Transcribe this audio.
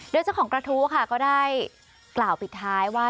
โดยเจ้าของกระทู้ค่ะก็ได้กล่าวปิดท้ายว่า